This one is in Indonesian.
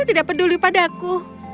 dia tidak peduli padaku